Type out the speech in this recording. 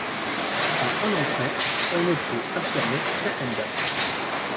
À un an près, on ne peut affirmer certaines dates.